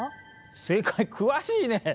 正解、詳しいね！